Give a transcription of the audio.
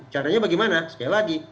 caranya bagaimana sekali lagi